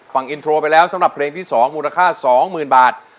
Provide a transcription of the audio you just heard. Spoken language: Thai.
ฟังอินโทรไปแล้วสำหรับเพลงที่๒มูลค่า๒๐๐๐บาท